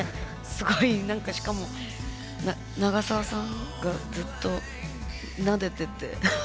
すごい何かしかも長澤さんがずっとなでてて犬を。